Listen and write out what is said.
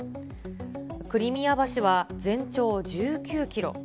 クリミア橋は全長１９キロ。